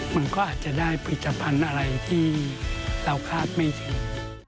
มันก็อาจจะได้ผลิตภัณฑ์อะไรที่เราคาดไม่ถึง